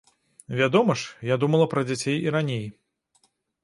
Вядома ж, я думала пра дзяцей і раней.